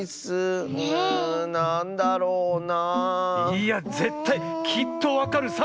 いやぜったいきっとわかるさ！